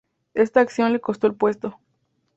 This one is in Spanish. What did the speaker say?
Esta acción le costó el puesto.